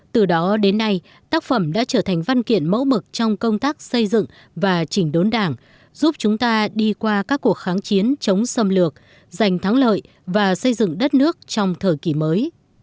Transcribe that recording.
từ đó đến nay tác phẩm đã trở thành văn kiện mẫu mực trong công tác xây dựng và chỉnh đốn đảng giúp chúng ta đi qua các cuộc kháng chiến chống xâm lược giành thắng lợi và xây dựng đất nước trong thời kỳ mới